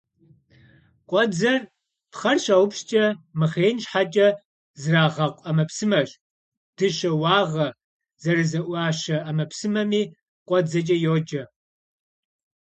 Кхъуэдзэр пхъэр щаупскӀэ мыхъеин щхьэкӀэ зрагъэкъу ӏэмэпсымэщ. Дыщэ уагъэ зэрызэӏуащэ ӏэмэпсымэми кхъуэдзэкӏэ йоджэ.